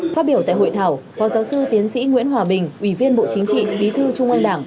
phát biểu tại hội thảo phó giáo sư tiến sĩ nguyễn hòa bình ủy viên bộ chính trị bí thư trung ương đảng